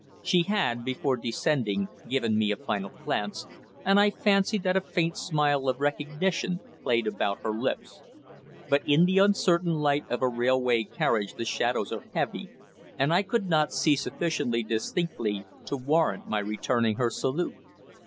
She had, before descending, given me a final glance, and I fancied that a faint smile of recognition played about her lips. But in the uncertain light of a railway carriage the shadows are heavy, and I could not see sufficiently distinctly to warrant my returning her salute.